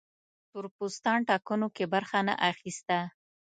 تور پوستان ټاکنو کې برخه نه اخیسته.